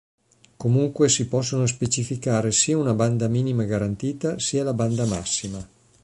Comunque si possono specificare sia una banda minima garantita sia la banda massima.